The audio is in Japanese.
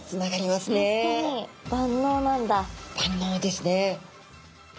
万能ですね。